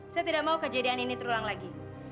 saya tidak mau kejadian ini terulang lagi